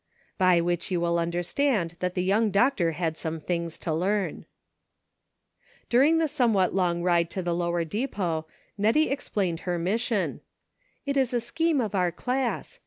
By which you will understand that the young doctor had some things to learn. During the somewhat long ride to the lower depot, Nettie explained her mission :" It is a scheme of our class.